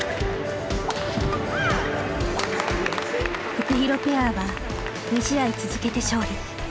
フクヒロペアは２試合続けて勝利。